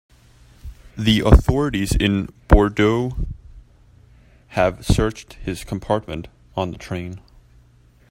The authorities in Bordeaux have searched his compartment on the train.